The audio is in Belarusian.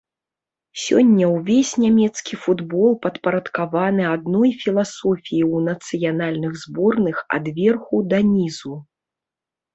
Сёння ўвесь нямецкі футбол падпарадкаваны адной філасофіі ў нацыянальных зборных ад верху да нізу.